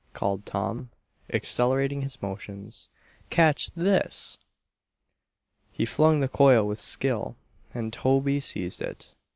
called Tom, accelerating his motions. "Catch this!" He flung the coil with skill and Toby seized it.